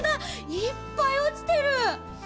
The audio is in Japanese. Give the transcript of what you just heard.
いっぱいおちてる！